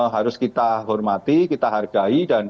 harus kita hormati kita hargai dan